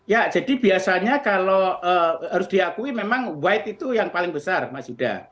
ya jadi biasanya kalau harus diakui memang wide itu yang paling besar mas yuda